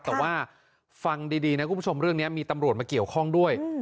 แต่ว่าฟังดีนะคุณผู้ชมเรื่องนี้มีตำรวจมาเกี่ยวข้องด้วย